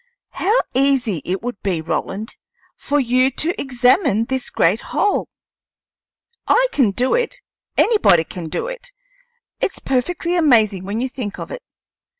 "How easy it would be, Roland, for you to examine this great hole! I can do it; anybody can do it. It's perfectly amazing when you think of it.